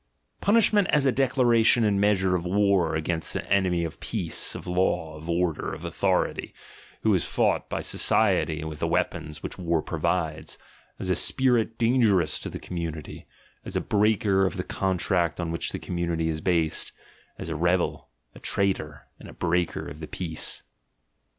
— Pun ishment as a declaration and measure of war against an enemy of peace, of law, of order, of authority, who is fought by society with the weapons which war provides, as a spirit dangerous to the community, as a breaker of the contract on which the community is based, as a rebel, a traitor, and a breaker of the peace.